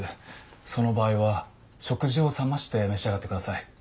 その場合は食事を冷まして召し上がってください。